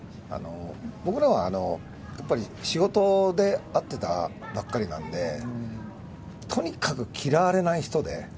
僕らはやっぱり仕事で会ってたばっかりなんで、とにかく嫌われない人で。